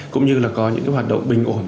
cũng như là có những hoạt động bình ồn